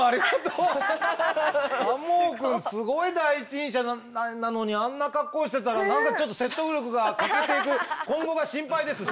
すごい第一人者なのにあんな格好してたら何かちょっと説得力が欠けていく今後が心配です。